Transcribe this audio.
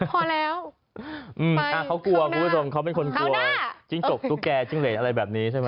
พอแล้วเขากลัวคุณผู้ชมเขาเป็นคนกลัวจิ้งจกตุ๊กแก่จิ้งเหรนอะไรแบบนี้ใช่ไหม